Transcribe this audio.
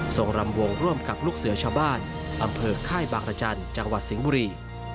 รำวงร่วมกับลูกเสือชาวบ้านอำเภอค่ายบางรจันทร์จังหวัดสิงห์บุรี